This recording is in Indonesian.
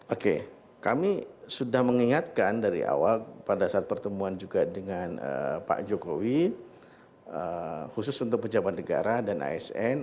oke kami sudah mengingatkan dari awal pada saat pertemuan juga dengan pak jokowi khusus untuk pejabat negara dan asn